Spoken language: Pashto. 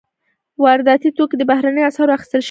وارداتي توکي په بهرنیو اسعارو اخیستل شوي وي.